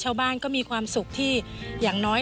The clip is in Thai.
ชาวบ้านก็มีความสุขที่อย่างน้อย